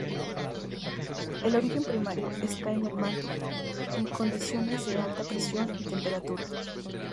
El origen primario está en el manto, en condiciones de alta presión y temperatura.